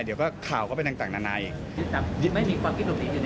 เดี๋ยวก็ข่าวก็เป็นต่างนานาอีก